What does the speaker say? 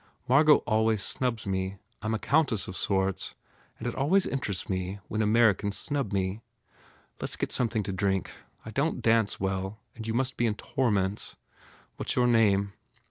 Margot always snubs me. I m a coun tess of sorts and it always interests me when Americans snub me. Lets s get something to drink. I don t dance well and you must be in torments What s your name?"